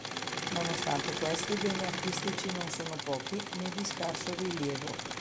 Nonostante questo i beni artistici non sono pochi, né di scarso rilievo.